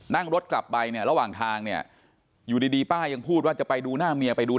นั่งรถกลับไประหว่างทางอยู่ดีป้ายังพูดว่าจะไปดูหน้าเมีย